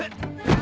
あ！